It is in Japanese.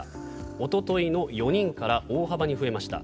おとといの４人から大幅に増えました。